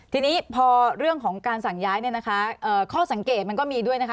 ทีนี้พอเรื่องของการสั่งย้ายเนี่ยนะคะข้อสังเกตมันก็มีด้วยนะคะ